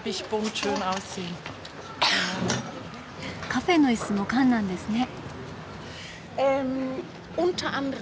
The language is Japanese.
カフェーのいすも缶なんですね。